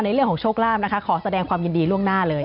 เรื่องของโชคลาภนะคะขอแสดงความยินดีล่วงหน้าเลย